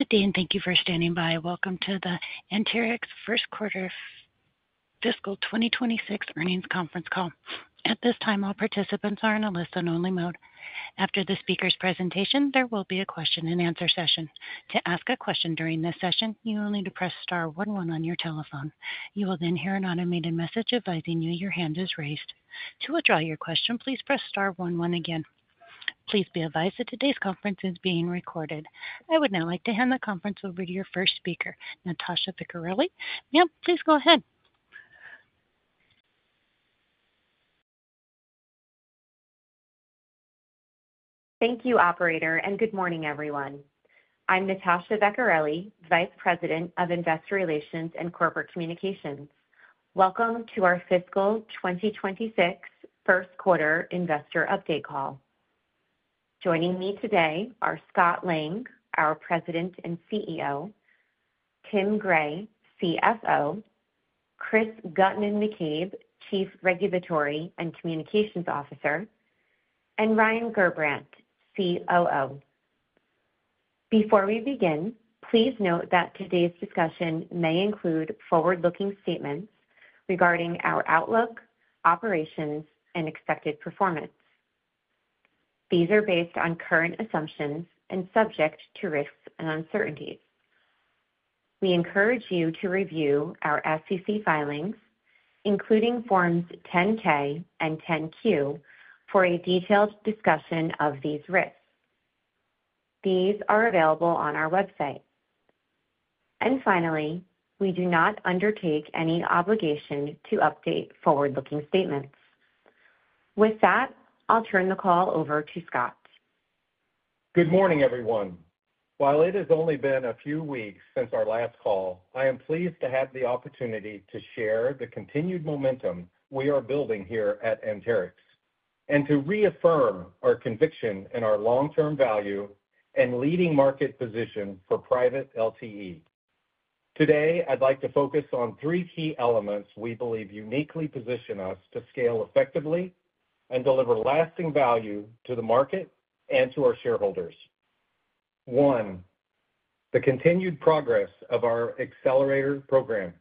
Good day and thank you for standing by. Welcome to the Anterix First Quarter Fiscal 2026 Earnings Conference Call. At this time, all participants are in a listen-only mode. After the speaker's presentation, there will be a question and answer session. To ask a question during this session, you will need to press star one one on your telephone. You will then hear an automated message advising you your hand is raised. To withdraw your question, please press star one one again. Please be advised that today's conference is being recorded. I would now like to hand the conference over to your first speaker, Natasha Vecchiarelli. Please go ahead. Thank you, operator, and good morning, everyone. I'm Natasha Vecchiarelli, Vice President of Investor Relations and Corporate Communications. Welcome to our Fiscal 2026 First Quarter Investor Update Call. Joining me today are Scott Lang, our President and CEO, Tim Gray, CFO, Chris Guttman-McCabe, Chief Regulatory and Communications Officer, and Ryan Gerbrandt, COO. Before we begin, please note that today's discussion may include forward-looking statements regarding our outlook, operations, and expected performance. These are based on current assumptions and subject to risks and uncertainties. We encourage you to review our SEC filings, including forms 10-K and 10-Q, for a detailed discussion of these risks. These are available on our website. We do not undertake any obligation to update forward-looking statements. With that, I'll turn the call over to Scott. Good morning, everyone. While it has only been a few weeks since our last call, I am pleased to have the opportunity to share the continued momentum we are building here at Anterix and to reaffirm our conviction in our long-term value and leading market position for private LTE. Today, I'd like to focus on three key elements we believe uniquely position us to scale effectively and deliver lasting value to the market and to our shareholders. One, the continued progress of our Accelerator Program.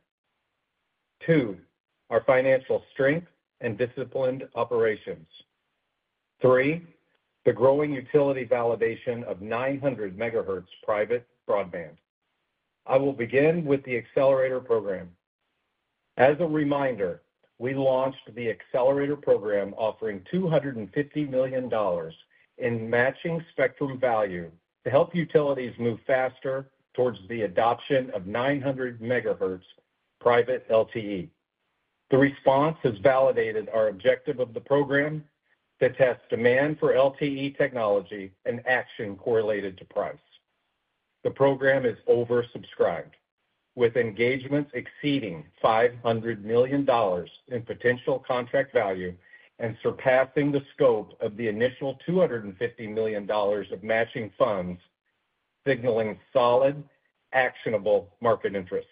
Two, our financial strength and disciplined operations. Three, the growing utility validation of 900 MHz private broadband. I will begin with the Accelerator Program. As a reminder, we launched the Accelerator Program offering $250 million in matching spectrum value to help utilities move faster towards the adoption of 900 MHz private LTE. The response has validated our objective of the program to test demand for LTE technology and action correlated to price. The program is oversubscribed, with engagements exceeding $500 million in potential contract value and surpassing the scope of the initial $250 million of matching funds, signaling solid, actionable market interest.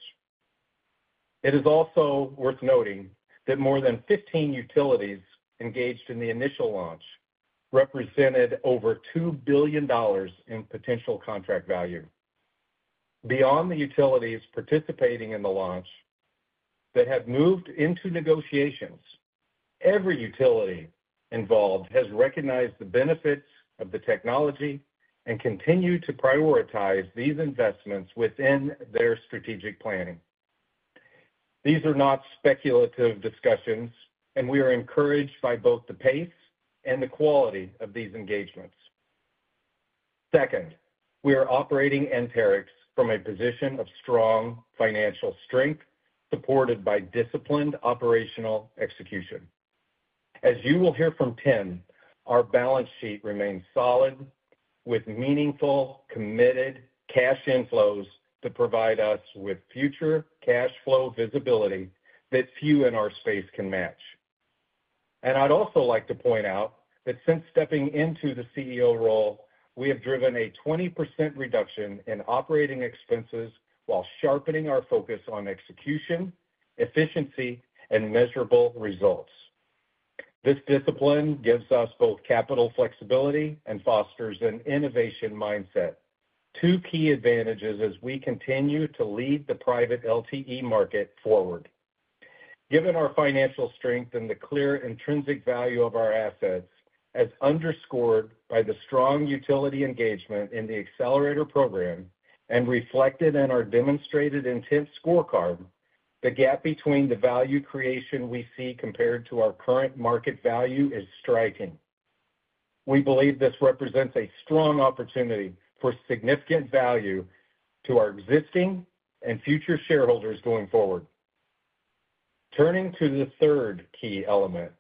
It is also worth noting that more than 15 utilities engaged in the initial launch represented over $2 billion in potential contract value. Beyond the utilities participating in the launch that have moved into negotiations, every utility involved has recognized the benefits of the technology and continued to prioritize these investments within their strategic planning. These are not speculative discussions, and we are encouraged by both the pace and the quality of these engagements. Second, we are operating Anterix from a position of strong financial strength, supported by disciplined operational execution. As you will hear from Tim, our balance sheet remains solid, with meaningful, committed cash inflows to provide us with future cash flow visibility that few in our space can match. I’d also like to point out that since stepping into the CEO role, we have driven a 20% reduction in operating expenses while sharpening our focus on execution, efficiency, and measurable results. This discipline gives us both capital flexibility and fosters an innovation mindset, two key advantages as we continue to lead the private LTE market forward. Given our financial strength and the clear intrinsic value of our assets, as underscored by the strong utility engagement in the Accelerator Program and reflected in our demonstrated intent scorecard, the gap between the value creation we see compared to our current market value is striking. We believe this represents a strong opportunity for significant value to our existing and future shareholders going forward. Turning to the third key element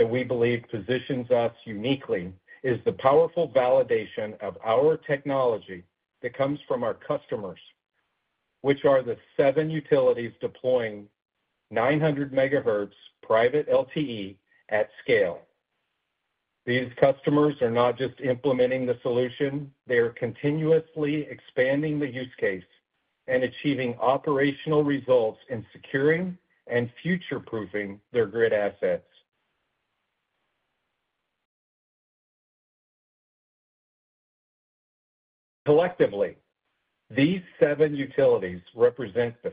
that we believe positions us uniquely is the powerful validation of our technology that comes from our customers, which are the seven utilities deploying 900 MHz private LTE at scale. These customers are not just implementing the solution, they are continuously expanding the use case and achieving operational results in securing and future-proofing their grid assets. Collectively, these seven utilities represent the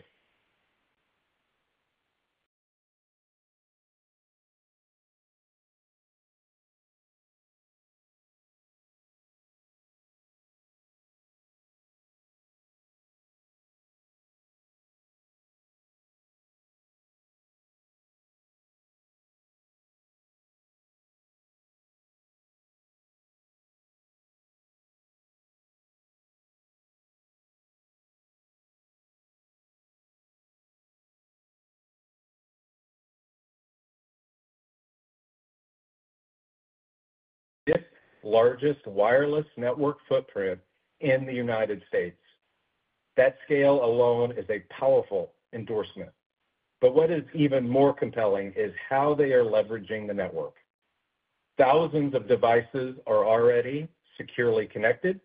largest wireless network footprint in the United States. That scale alone is a powerful endorsement. What is even more compelling is how they are leveraging the network. Thousands of devices are already securely connected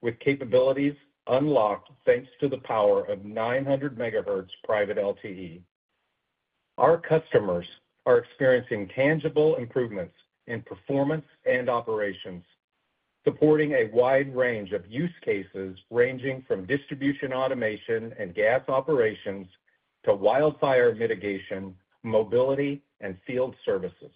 with capabilities unlocked thanks to the power of 900 MHz private LTE. Our customers are experiencing tangible improvements in performance and operations, supporting a wide range of use cases ranging from distribution automation and gas operations to wildfire mitigation, mobility, and field services.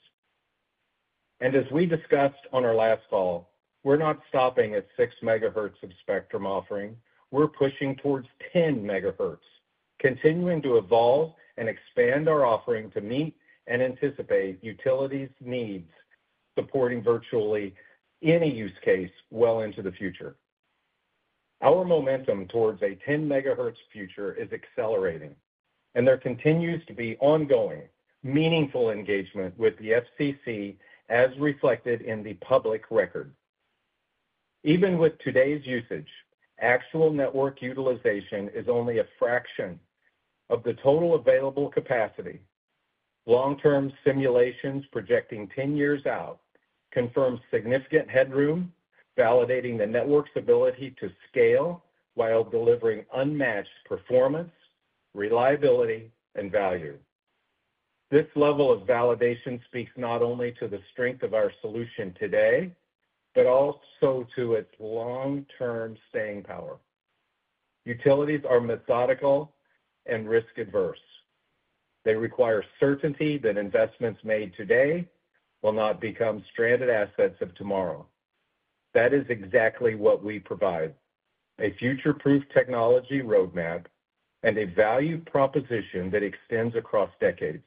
As we discussed on our last call, we're not stopping at 6 MHz of spectrum offering, we're pushing towards 10 MHz, continuing to evolve and expand our offering to meet and anticipate utilities' needs, supporting virtually any use case well into the future. Our momentum towards a 10 MHz future is accelerating, and there continues to be ongoing meaningful engagement with the FCC, as reflected in the public record. Even with today's usage, actual network utilization is only a fraction of the total available capacity. Long-term simulations projecting 10 years out confirm significant headroom, validating the network's ability to scale while delivering unmatched performance, reliability, and value. This level of validation speaks not only to the strength of our solution today, but also to its long-term staying power. Utilities are methodical and risk-averse. They require certainty that investments made today will not become stranded assets of tomorrow. That is exactly what we provide: a future-proof technology roadmap and a value proposition that extends across decades.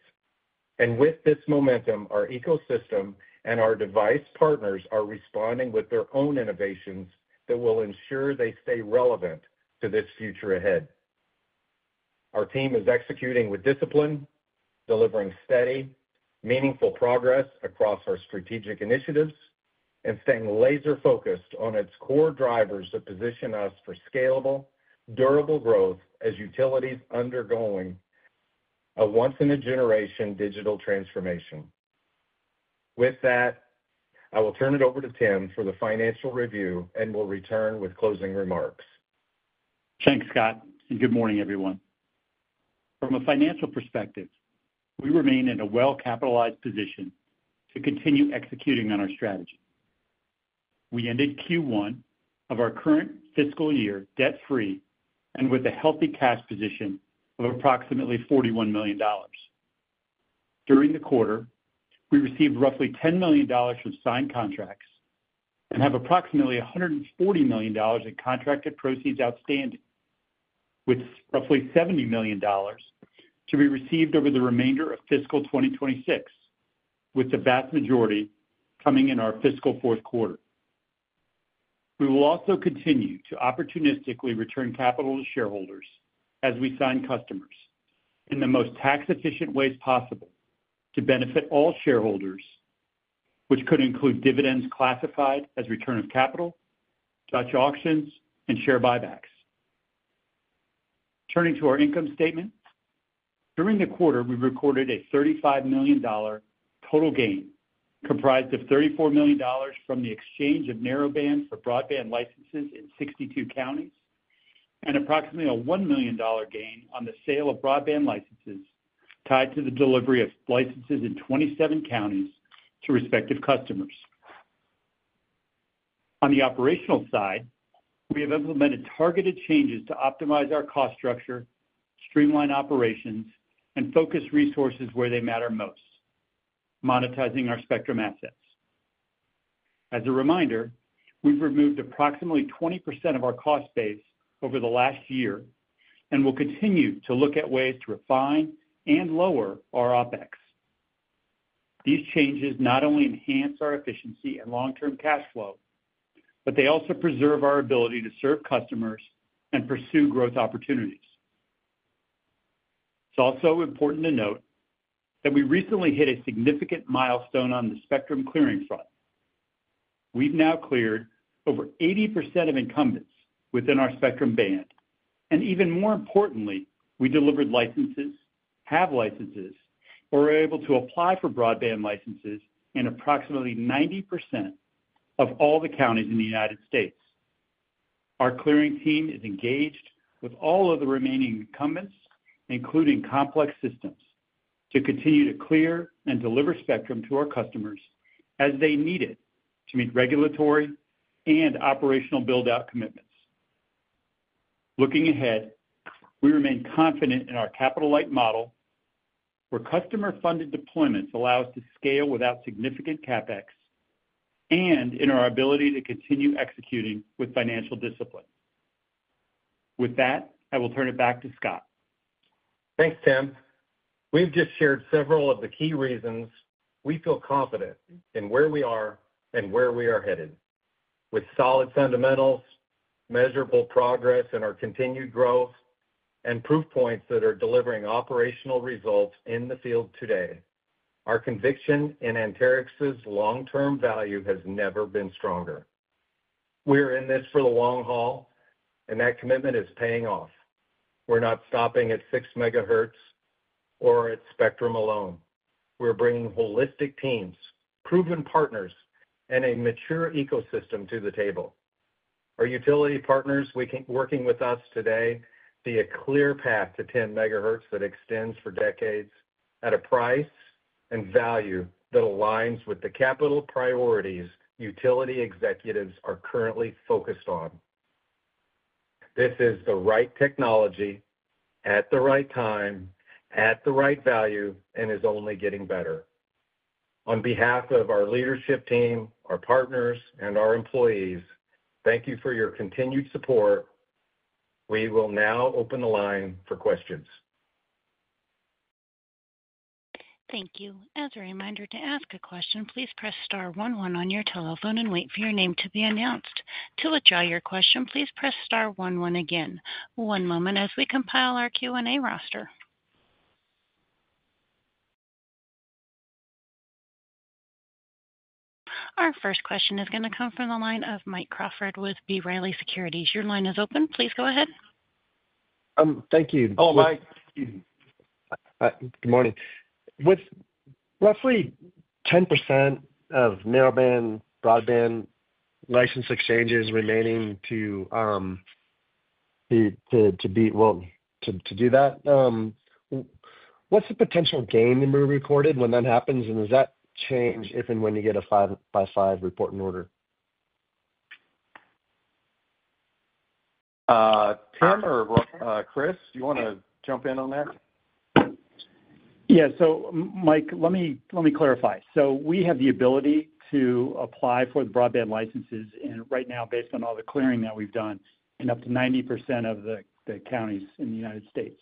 With this momentum, our ecosystem and our device partners are responding with their own innovations that will ensure they stay relevant to this future ahead. Our team is executing with discipline, delivering steady, meaningful progress across our strategic initiatives, and staying laser-focused on its core drivers that position us for scalable, durable growth as utilities undergo a once-in-a-generation digital transformation. With that, I will turn it over to Tim for the financial review and will return with closing remarks. Thanks, Scott, and good morning, everyone. From a financial perspective, we remain in a well-capitalized position to continue executing on our strategy. We ended Q1 of our current fiscal year debt-free and with a healthy cash position of approximately $41 million. During the quarter, we received roughly $10 million of signed contracts and have approximately $140 million in contracted proceeds outstanding, with roughly $70 million to be received over the remainder of fiscal 2026, with the vast majority coming in our fiscal fourth quarter. We will also continue to opportunistically return capital to shareholders as we sign customers in the most tax-efficient ways possible to benefit all shareholders, which could include dividends classified as return of capital, Dutch auctions, and share buybacks. Turning to our income statement, during the quarter, we recorded a $35 million total gain comprised of $34 million from the exchange of narrowband for broadband licenses in 62 counties and approximately a $1 million gain on the sale of broadband licenses tied to the delivery of licenses in 27 counties to respective customers. On the operational side, we have implemented targeted changes to optimize our cost structure, streamline operations, and focus resources where they matter most: monetizing our spectrum assets. As a reminder, we've removed approximately 20% of our cost base over the last year and will continue to look at ways to refine and lower our operating expenses. These changes not only enhance our efficiency and long-term cash flow, but they also preserve our ability to serve customers and pursue growth opportunities. It's also important to note that we recently hit a significant milestone on the spectrum clearing front. We've now cleared over 80% of incumbents within our spectrum band, and even more importantly, we delivered licenses, have licenses, or are able to apply for broadband licenses in approximately 90% of all the counties in the United States. Our clearing team is engaged with all of the remaining incumbents, including complex systems, to continue to clear and deliver spectrum to our customers as they need it to meet regulatory and operational build-out commitments. Looking ahead, we remain confident in our capital-light model, where customer-funded deployments allow us to scale without significant CapEx and in our ability to continue executing with financial discipline. With that, I will turn it back to Scott. Thanks Tim. We just shared several of the key reasons we feel confident in where we are and where we are headed, with solid fundamentals, measurable progress in our continued growth, and proof points that are delivering operational results in the field today. Our conviction in Anterix's long-term value has never been stronger. We're in this for the long haul, and that commitment is paying off. We're not stopping at 6 MHz or at spectrum alone. We're bringing holistic teams, proven partners, and a mature ecosystem to the table. Our utility partners working with us today see a clear path to 10 MHz that extends for decades at a price and value that aligns with the capital priorities utility executives are currently focused on. This is the right technology at the right time, at the right value, and is only getting better. On behalf of our leadership team, our partners, and our employees, thank you for your continued support. We will now open the line for questions. Thank you. As a reminder, to ask a question, please press star one one on your telephone and wait for your name to be announced. To withdraw your question, please press star one one again. One moment as we compile our Q&A roster. Our first question is going to come from the line of Michael Crawford with B. Riley Securities. Your line is open. Please go ahead. Thank you. Oh, Mike. Good morning. With roughly 10% of narrowband broadband license exchanges remaining to be, to do that, what's the potential gain that we recorded when that happens? Does that change if and when you get a 5x5 reporting order? Tim or what? Chris, do you want to jump in on that? Yeah. Mike, let me clarify. We have the ability to apply for the broadband licenses. Right now, based on all the clearing that we've done in up to 90% of the counties in the United States.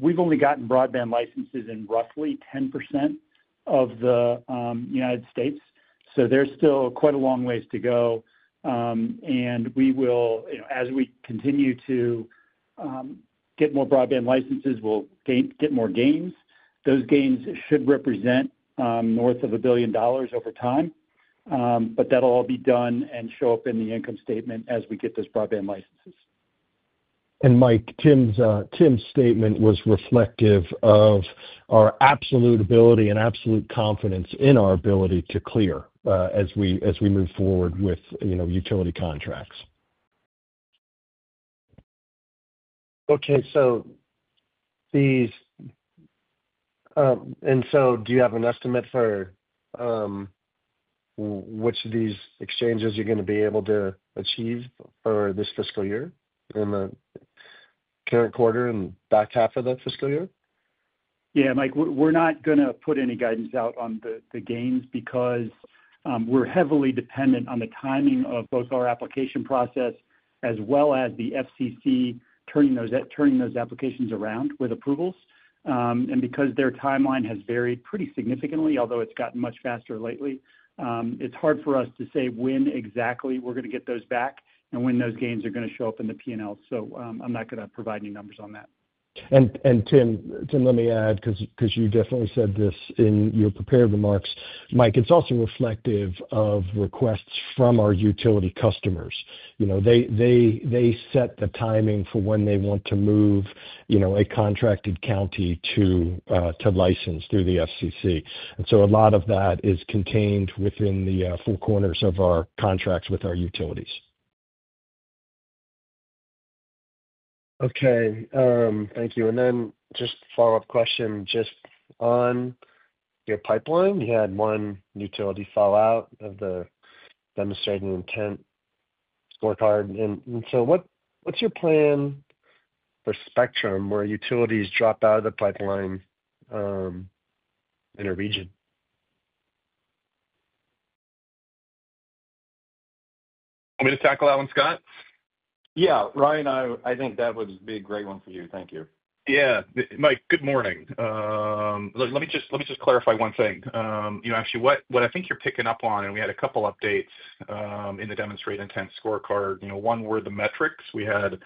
we've only gotten broadband licenses in roughly 10% of the United States. There is still quite a long ways to go. As we continue to get more broadband licenses, we'll get more gains. Those gains should represent north of $1 billion over time. That will all be done and show up in the income statement as we get those broadband licenses. Mike, Tim's statement was reflective of our absolute ability and absolute confidence in our ability to clear as we move forward with utility contracts. Okay. Do you have an estimate for which of these exchanges you're going to be able to achieve for this fiscal year in the current quarter and the back half of the fiscal year? Yeah. Mike, we're not going to put any guidance out on the gains because we're heavily dependent on the timing of both our application process as well as the FCC turning those applications around with approvals. Because their timeline has varied pretty significantly, although it's gotten much faster lately, it's hard for us to say when exactly we're going to get those back and when those gains are going to show up in the P&L. I'm not going to provide any numbers on that. Tim, let me add because you definitely said this in your prepared remarks. Mike, it's also reflective of requests from our utility customers. They set the timing for when they want to move a contracted county to license through the FCC. A lot of that is contained within the four corners of our contracts with our utilities. Okay. Thank you. Just a follow-up question. Just on your pipeline, you had one utility fallout of the demonstrated intent scorecard. What's your plan for spectrum where utilities drop out of the pipeline in a region? Want me to tackle that one, Scott? Yeah, Ryan, I think that would be a great one for you. Thank you. Yeah. Mike, good morning. Let me just clarify one thing. You know, actually, what I think you're picking up on, we had a couple of updates in the demonstrated intent scorecard. One were the metrics. We had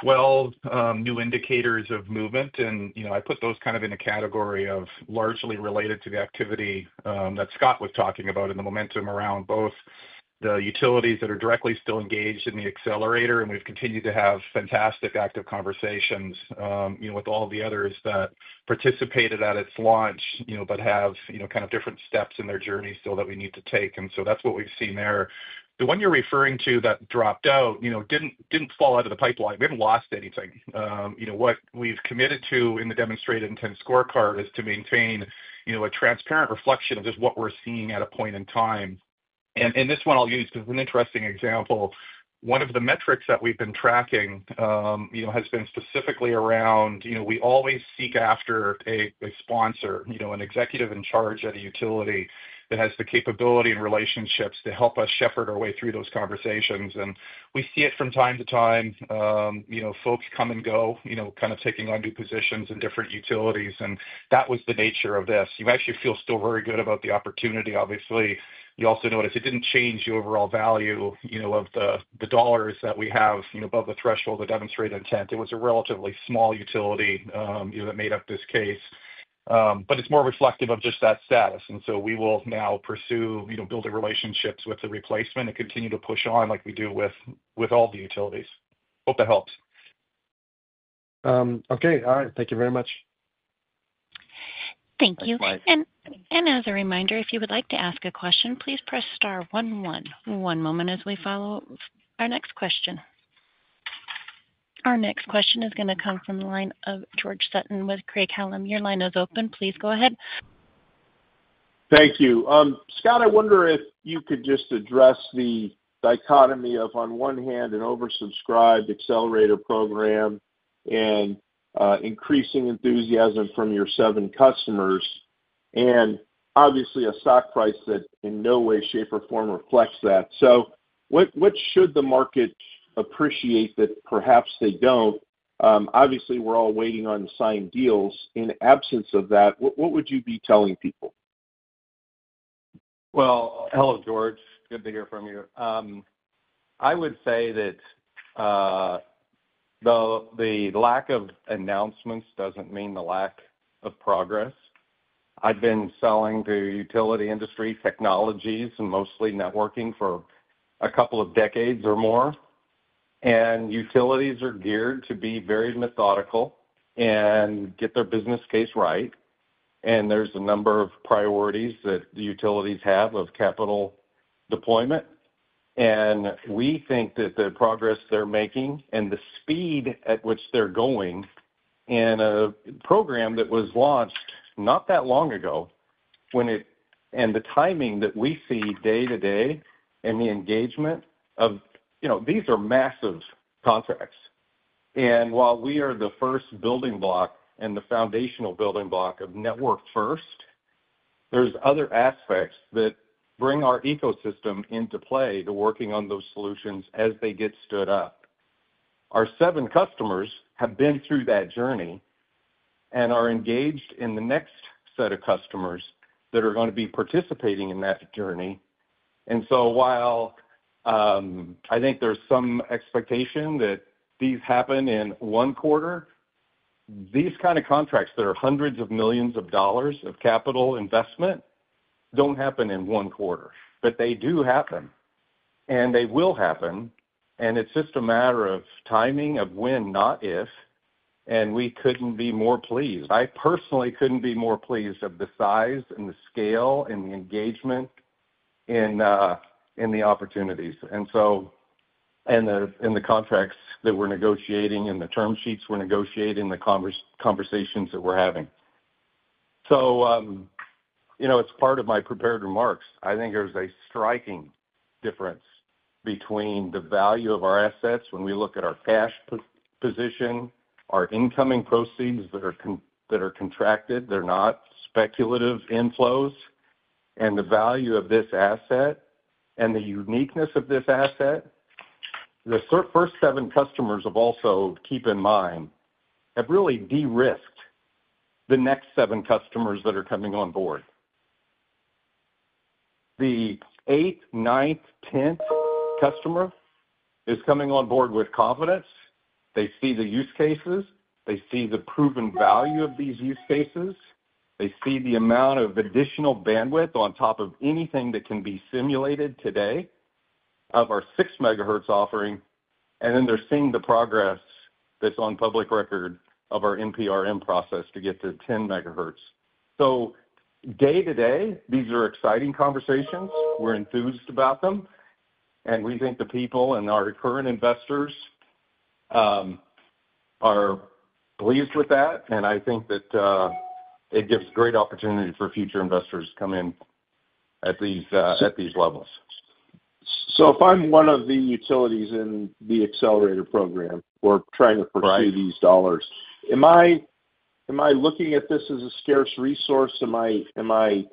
12 new indicators of movement. I put those kind of in a category of largely related to the activity that Scott was talking about and the momentum around both the utilities that are directly still engaged in the Accelerator. We've continued to have fantastic active conversations with all the others that participated at its launch, but have kind of different steps in their journey still that we need to take. That's what we've seen there. The one you're referring to that dropped out didn't fall out of the pipeline. We haven't lost anything. What we've committed to in the demonstrated intent scorecard is to maintain a transparent reflection of just what we're seeing at a point in time. This one I'll use because it's an interesting example. One of the metrics that we've been tracking has been specifically around, you know, we always seek after a sponsor, an executive in charge at a utility that has the capability and relationships to help us shepherd our way through those conversations. We see it from time to time. Folks come and go, kind of taking on new positions in different utilities. That was the nature of this. You actually feel still very good about the opportunity, obviously. You also notice it didn't change the overall value of the dollars that we have above the threshold of the demonstrated intent. It was a relatively small utility that made up this case. It's more reflective of just that status. We will now pursue building relationships with the replacement and continue to push on like we do with all the utilities. Hope that helps. Okay, all right. Thank you very much. Thank you. As a reminder, if you would like to ask a question, please press star one one. One moment as we follow our next question. Our next question is going to come from the line of George Frederick Sutton with Craig-Hallum. Your line is open. Please go ahead. Thank you. Scott, I wonder if you could just address the dichotomy of, on one hand, an oversubscribed Accelerator Program and increasing enthusiasm from your seven customers and obviously a stock price that in no way, shape, or form reflects that. What should the market appreciate that perhaps they don't? Obviously, we're all waiting on signed deals. In absence of that, what would you be telling people? Hello, George. Good to hear from you. I would say that the lack of announcements doesn't mean the lack of progress. I've been selling to utility industry technologies and mostly networking for a couple of decades or more. Utilities are geared to be very methodical and get their business case right. There are a number of priorities that the utilities have of capital deployment. We think that the progress they're making and the speed at which they're going in a program that was launched not that long ago and the timing that we see day-to-day and the engagement of, you know, these are massive contracts. While we are the first building block and the foundational building block of network first, there are other aspects that bring our ecosystem into play to working on those solutions as they get stood up. Our seven customers have been through that journey and are engaged in the next set of customers that are going to be participating in that journey. While I think there's some expectation that these happen in one quarter, these kind of contracts that are hundreds of millions of dollars of capital investment don't happen in one quarter, but they do happen. They will happen. It's just a matter of timing of when, not if. We couldn't be more pleased. I personally couldn't be more pleased of the size and the scale and the engagement in the opportunities, in the contracts that we're negotiating, the term sheets we're negotiating, and the conversations that we're having. It's part of my prepared remarks. I think there's a striking difference between the value of our assets when we look at our cash position, our incoming proceeds that are contracted. They're not speculative inflows. The value of this asset and the uniqueness of this asset, the first seven customers have also, keep in mind, have really de-risked the next seven customers that are coming on board. The eighth, ninth, 10th customer is coming on board with confidence. They see the use cases. They see the proven value of these use cases. They see the amount of additional bandwidth on top of anything that can be simulated today of our 6 MHz offering. They're seeing the progress that's on public record of our NPRM process to get to 10 MHz. Day-to-day, these are exciting conversations. We're enthused about them. We think the people and our current investors are pleased with that. I think that it gives great opportunity for future investors to come in at these levels. If I'm one of the utilities in the Accelerator Program or trying to pursue these dollars, am I looking at this as a scarce resource? Am I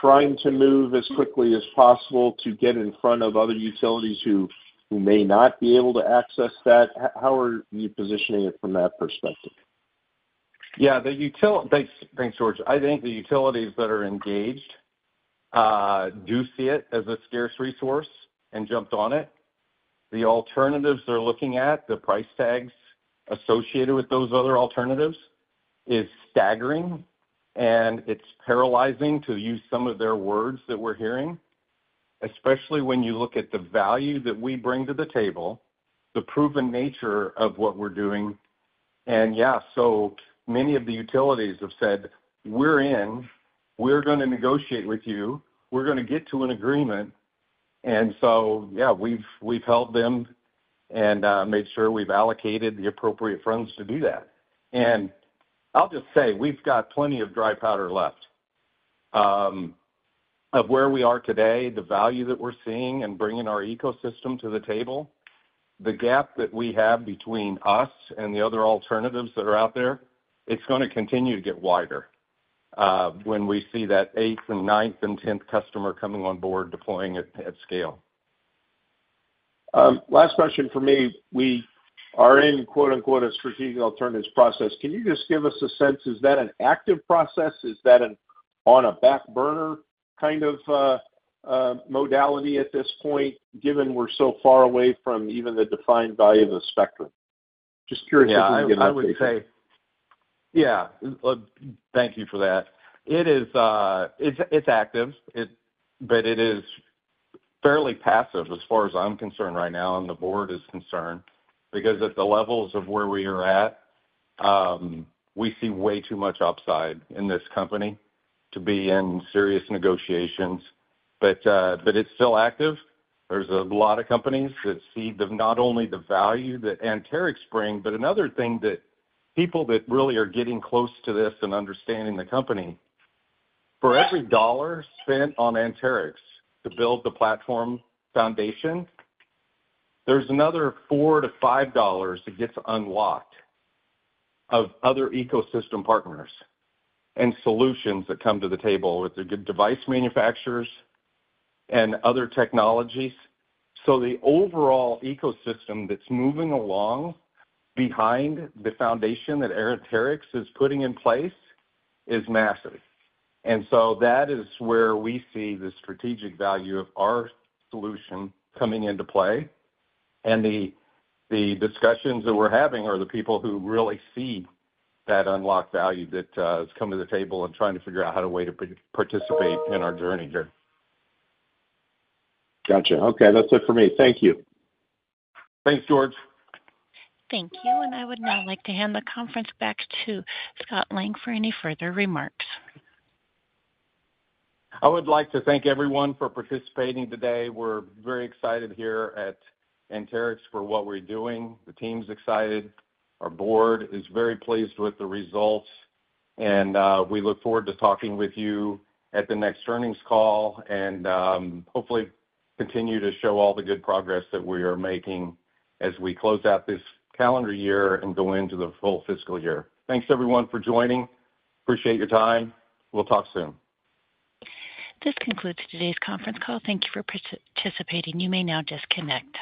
trying to move as quickly as possible to get in front of other utilities who may not be able to access that? How are you positioning it from that perspective? Yeah, thanks, George. I think the utilities that are engaged do see it as a scarce resource and jumped on it. The alternatives they're looking at, the price tags associated with those other alternatives are staggering. It's paralyzing, to use some of their words that we're hearing, especially when you look at the value that we bring to the table, the proven nature of what we're doing. So many of the utilities have said, "We're in. We're going to negotiate with you. We're going to get to an agreement." We've held them and made sure we've allocated the appropriate funds to do that. I'll just say we've got plenty of dry powder left of where we are today, the value that we're seeing, and bringing our ecosystem to the table. The gap that we have between us and the other alternatives that are out there, it's going to continue to get wider when we see that eighth and ninth and 10th customer coming on board, deploying it at scale. Last question for me. We are in, quote-unquote, "a strategic alternatives process." Can you just give us a sense? Is that an active process? Is that on a back burner kind of modality at this point, given we're so far away from even the defined value of the spectrum? Just curious. Yeah, I would say, yeah, thank you for that. It is active, but it is fairly passive as far as I'm concerned right now and the board is concerned because at the levels of where we are at, we see way too much upside in this company to be in serious negotiations. It's still active. There are a lot of companies that see not only the value that Anterix brings, but another thing that people that really are getting close to this and understanding the company, for every $1 spent on Anterix to build the platform foundation, there's another $4-$5 that gets unlocked of other ecosystem partners and solutions that come to the table with the device manufacturers and other technologies. The overall ecosystem that's moving along behind the foundation that Anterix is putting in place is massive. That is where we see the strategic value of our solution coming into play. The discussions that we're having are the people who really see that unlocked value that's come to the table and trying to figure out how to wait to participate in our journey here. Gotcha. Okay, that's it for me. Thank you. Thanks, George. Thank you. I would now like to hand the conference back to Scott Lang for any further remarks. I would like to thank everyone for participating today. We're very excited here at Anterix for what we're doing. The team's excited. Our board is very pleased with the results. We look forward to talking with you at the next earnings call and hopefully continue to show all the good progress that we are making as we close out this calendar year and go into the full fiscal year. Thanks, everyone, for joining. Appreciate your time. We'll talk soon. This concludes today's conference call. Thank you for participating. You may now disconnect.